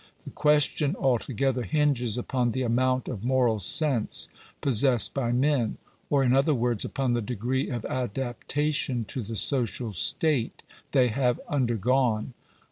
The question altogether hinges upon the amount of moral sense possessed by men ; or, in other words, upon the degree of adaptation to the social state they have undergone.